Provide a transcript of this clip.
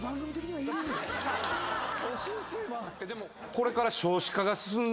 これから。